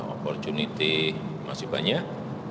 opportunity masih banyak